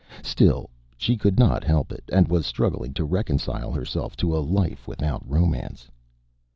Still, she could not help it, and was struggling to reconcile herself to a life without romance.